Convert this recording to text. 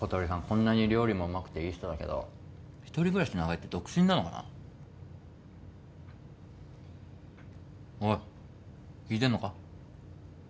こんなに料理もうまくていい人だけど一人暮らし長いって独身なのかなおい聞いてんのか？